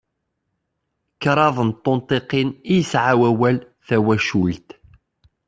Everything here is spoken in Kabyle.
Kraḍ n tunṭiqin i yesɛa wawal "tawacult".